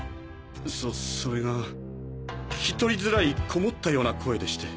そそれが聞き取りづらいこもったような声でして。